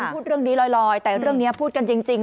พูดเรื่องนี้ลอยแต่เรื่องนี้พูดกันจริง